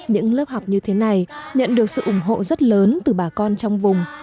những lớp học như thế này nhận được sự ủng hộ rất lớn từ bà con trong vùng